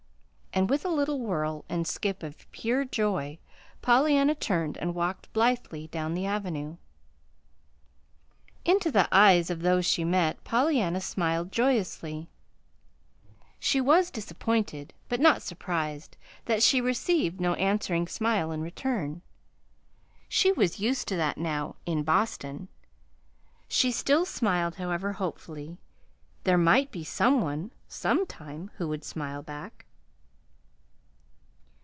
And with a little whirl and skip of pure joy, Pollyanna turned and walked blithely down the Avenue. Into the eyes of those she met Pollyanna smiled joyously. She was disappointed but not surprised that she received no answering smile in return. She was used to that now in Boston. She still smiled, however, hopefully: there might be some one, sometime, who would smile back.